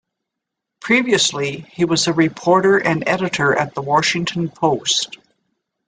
Previously, he was a reporter and editor at "The Washington Post".